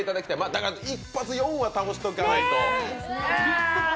だから１発、４は倒しておかないと。